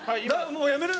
もうやめる？